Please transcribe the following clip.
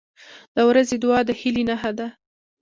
• د ورځې دعا د هیلې نښه ده.